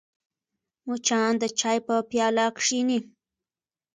مچان د چای په پیاله کښېني